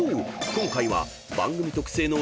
今回は］